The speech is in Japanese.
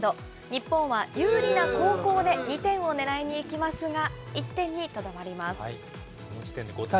日本は有利な後攻で２点を狙いにいきますが、１点にとどまります。